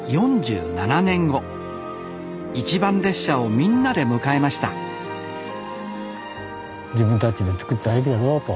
一番列車をみんなで迎えました自分たちで作った駅だぞと。